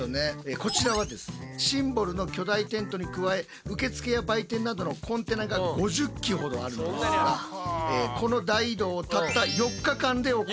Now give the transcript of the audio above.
こちらはですねシンボルの巨大テントに加え受付や売店などのコンテナが５０基ほどあるのですがこの大移動をたった４日間で行うそうです。